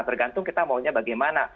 tergantung kita maunya bagaimana